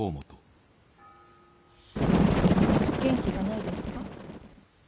元気がないですか？